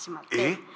えっ！？